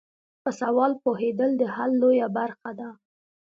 په سوال پوهیدل د حل لویه برخه ده.